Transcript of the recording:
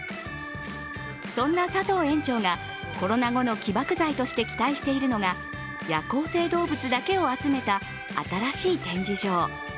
そんな佐藤園長がコロナ後の起爆剤として期待しているのが夜行性動物だけを集めた新しい展示場。